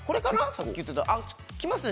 さっき言ってたきますね